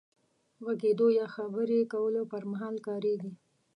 غږېدو يا خبرې کولو پر مهال کارېږي.